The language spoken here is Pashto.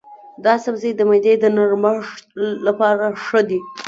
دا سبزی د معدې د نرمښت لپاره ښه دی.